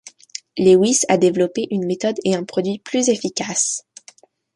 Lewis a développé une méthode et un produit plus efficaces.